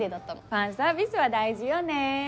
ファンサービスは大事よねぇ。